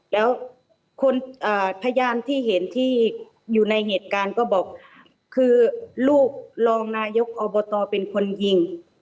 แล้วคนพยานที่เห็นที่อยู่ในเหตุการณ์ก็บอกคือลูกรองนายกอบตเป็นคนยิง